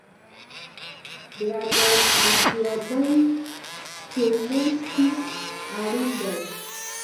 د ارزیابۍ د فورمې شتون اړین دی.